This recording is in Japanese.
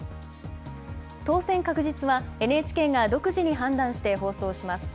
当選確実はＮＨＫが独自に判断して放送します。